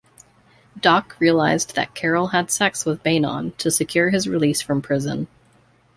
Doc realizes that Carol had sex with Beynon to secure his release from prison.